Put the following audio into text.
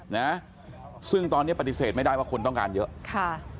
นะซึ่งตอนเนี้ยปฏิเสธไม่ได้ว่าคนต้องการเยอะค่ะ